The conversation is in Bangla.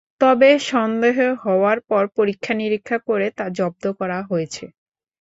তবে সন্দেহ হওয়ার পর পরীক্ষা নিরীক্ষা করে তা জব্দ করা হয়েছে।